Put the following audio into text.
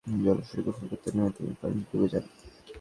বন্ধুদের সঙ্গে বেড়াতে গিয়ে জলাশয়ে গোসল করতে নেমে তিনি পানিতে ডুবে যান।